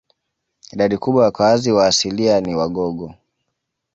Idadi kubwa ya wakazi asilia ni Wagogo